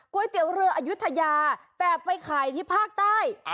เตี๋ยวเรืออายุทยาแต่ไปขายที่ภาคใต้